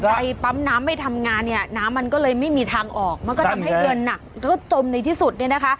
ไปปั๊มน้ำไม่ทำงานเนี่ยน้ำมันก็เลยไม่มีทางออกมันก็ทำให้เรือนหนักแล้วก็จมในที่สุดเนี่ยนะคะ